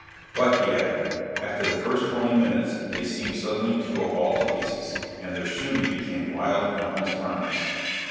"But," he added, "after the first twenty minutes they seemed suddenly to go all to pieces, and their shooting became wild and almost harmless."